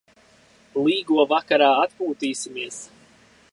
Līgo vakarā atpūtīsimies.